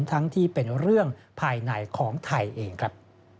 ทั้งที่เป็นเรื่องภายในของไทยเองครับ